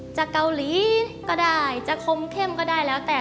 จากเกาหลีก็ได้จะคมเข้มก็ได้แล้วแต่